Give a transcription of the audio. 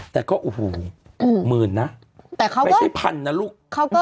แต่ก็อุ้หูหมื่นนะว่าไม่ใช่พันน่ะลูกแต่เขาก็